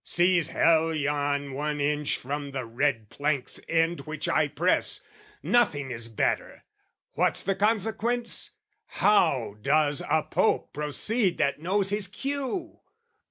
sees hell yawn One inch from the red plank's end which I press, Nothing is better! What's the consequence? How does a Pope proceed that knows his cue?